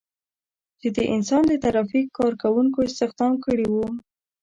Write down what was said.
چې د انسان د ترافیک کار کوونکو استخدام کړي وو.